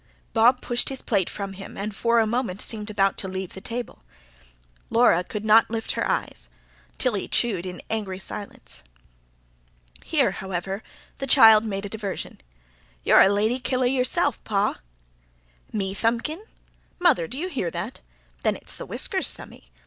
Bob pushed his plate from him and, for a moment, seemed about to leave the table. Laura could not lift her eyes. Tilly chewed in angry silence. Here, however, the child made a diversion. "You're a lady kilda yourself, pa." "Me, Thumbkin? Mother, d'you hear that? Then it's the whiskers, Thumbby.